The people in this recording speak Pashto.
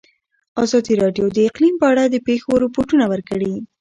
ازادي راډیو د اقلیم په اړه د پېښو رپوټونه ورکړي.